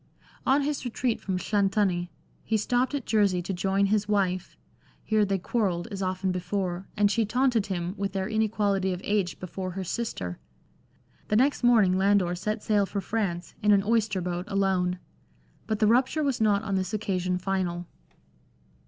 On his retreat from Llanthony he stopped at Jersey to join his wife ; here they quarrelled, as often before, and she taunted him with their inequality of age before her sister. The next morning Landor set sail for France, in an oyster boat, alone. But the rupture was not on this occasion final.